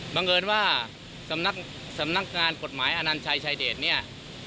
บังเอิญว่าสำนักงานกฎหมายอนัญชัยชายเดชเนี่ย